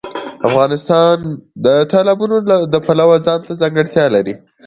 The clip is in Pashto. افغانستان د تالابونه د پلوه ځانته ځانګړتیا لري.